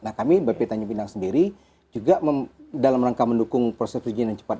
nah kami bp tanjung pinang sendiri juga dalam rangka mendukung proses ujian yang cepat